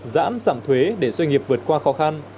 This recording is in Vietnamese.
giãn giảm thuế để doanh nghiệp vượt qua khó khăn